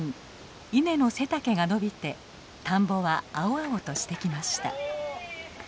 稲の背丈が伸びて田んぼは青々としてきました。